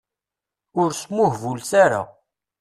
Ur smuhbulet ara.